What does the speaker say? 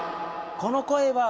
この声は。